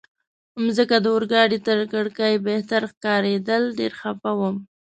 مځکه د اورګاډي تر کړکۍ بهر ښکارېدل، ډېر خفه وم.